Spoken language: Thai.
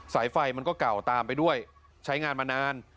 สายไฟมันก็เก่าตามไปด้วยใช้งานมานาน